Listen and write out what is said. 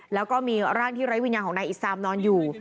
แล้วก็มีร่างที่ไร้วิญญาณของนายอิซามนอนอยู่